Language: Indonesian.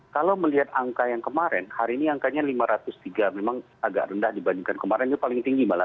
kalau melihat angka yang kemarin hari ini angkanya lima ratus tiga memang agak rendah dibandingkan kemarin itu paling tinggi malah